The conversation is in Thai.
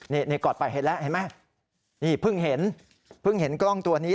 นี่กอดไปเห็นแล้วเห็นไหมนี่เพิ่งเห็นเพิ่งเห็นกล้องตัวนี้